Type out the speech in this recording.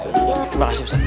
terima kasih ustadz